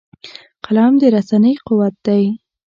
قلم د رسنۍ قوت دی